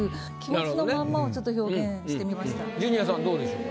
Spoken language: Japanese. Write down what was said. ジュニアさんどうでしょうか？